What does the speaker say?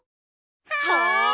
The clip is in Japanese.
はい！